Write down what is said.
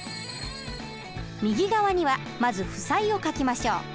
右側にはまず負債を書きましょう。